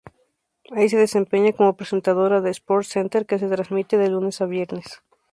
Ahí se desempeña como presentadora de SportsCenter que se transmite de lunes a viernes.